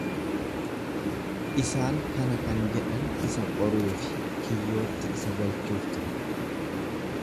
Isaan kana kan jedhan isa qoruufi kiyyootti isa galchuuf ture.